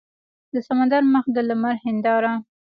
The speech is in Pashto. د سمندر مخ د لمر هینداره